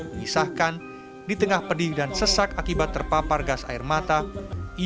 mengisahkan di tengah pedih dan sesak akibat terpapar gas air mata